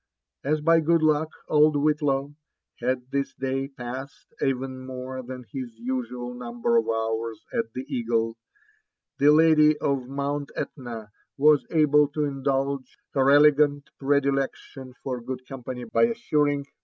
As by good luck old Whitlaw had this day passed 'even more than his usual number of hours at the Eagle, the lady of Mount Etna was able to indulge, her elegant predilection for good company by assuring Hr.